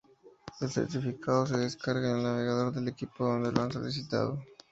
El certificado se descarga en el navegador del equipo donde lo han solicitado.